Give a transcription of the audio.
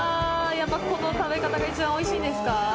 やっぱこの食べ方が一番おいしいですか？